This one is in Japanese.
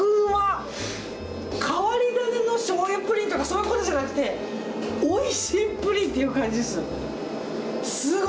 変わり種の醤油プリンとかそういうことじゃなくておいしいプリンっていう感じです。